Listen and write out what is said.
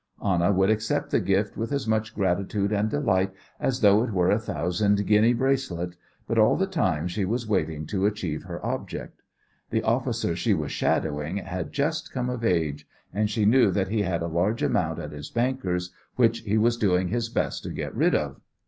Anna would accept the gift with as much gratitude and delight as though it were a thousand guinea bracelet, but all the time she was waiting to achieve her object. The officer she was "shadowing" had just come of age, and she knew that he had a large amount at his bankers which he was doing his best to get rid of.